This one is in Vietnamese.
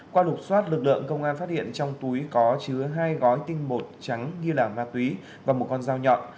qua lục xoát lực lượng công an phát hiện trong túi có chứa hai gói tinh bột trắng nghi là ma túy và một con dao nhọn